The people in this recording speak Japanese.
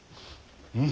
うん。